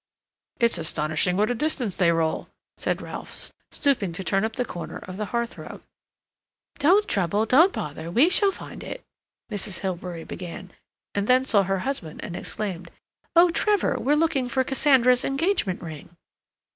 "It's astonishing what a distance they roll," said Ralph, stooping to turn up the corner of the hearthrug. "Don't trouble—don't bother. We shall find it—" Mrs. Hilbery began, and then saw her husband and exclaimed: "Oh, Trevor, we're looking for Cassandra's engagement ring!"